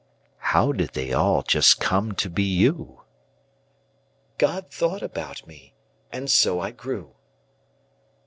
How did they all just come to be you? God thought about me, and so I grew.